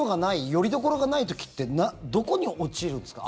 よりどころがない時ってどこに落ちるんですか